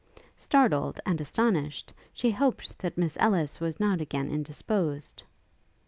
Startled, and astonished, she hoped that Miss Ellis was not again indisposed?